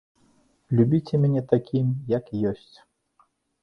Любіце мяне такім, як ёсць.